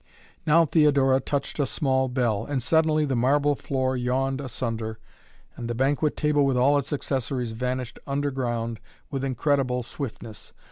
Now Theodora touched a small bell and suddenly the marble floor yawned asunder and the banquet table with all its accessories vanished underground with incredible swiftness.